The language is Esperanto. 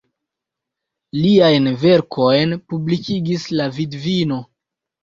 Liajn verkojn publikigis la vidvino.